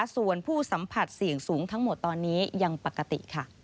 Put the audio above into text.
ส่วนผู้สัมผัสเสี่ยงสูงทั้งหมดตอนนี้ยังปกติค่ะ